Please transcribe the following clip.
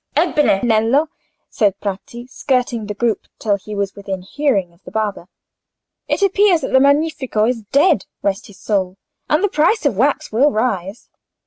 "Ebbene, Nello," said Bratti, skirting the group till he was within hearing of the barber. "It appears the Magnifico is dead—rest his soul!—and the price of wax will rise?"